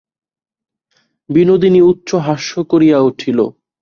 বিনোদিনী উচ্চহাস্য করিয়া উঠিল।